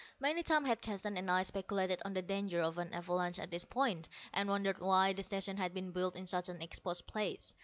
Many times had Keston and I speculated on the danger of an avalanche at this point, and wondered why the Station had been built in such an exposed place.